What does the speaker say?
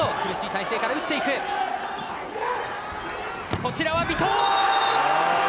こちらは尾藤。